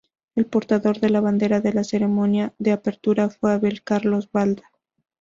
El portador de la bandera en la ceremonia de apertura fue Abel Carlos Balda.